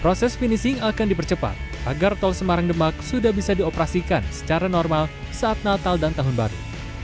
proses finishing akan dipercepat agar tol semarang demak sudah bisa dioperasikan secara normal saat natal dan tahun baru